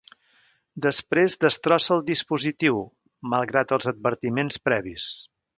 Després destrossa el dispositiu, malgrat els advertiments previs.